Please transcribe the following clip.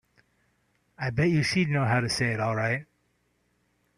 I bet you she'd know how to say it all right.